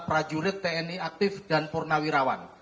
prajurit tni aktif dan purnawirawan